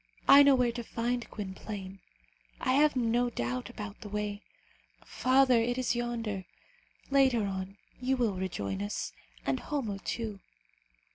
I know where to find Gwynplaine. I have no doubt about the way. Father, it is yonder. Later on, you will rejoin us, and Homo, too."